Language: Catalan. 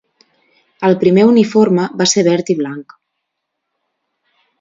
El primer uniforme va ser verd i blanc.